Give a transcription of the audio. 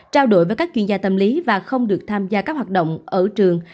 trao đổi với các chuyên gia tâm lý và không được tham gia các hoạt động ở trường